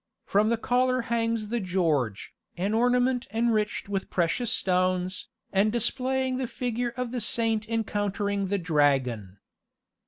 From the collar hangs the George, an ornament enriched with precious stones, and displaying the figure of the saint encountering the dragon.